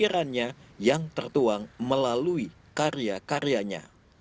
dan pemikirannya yang tertuang melalui karya karyanya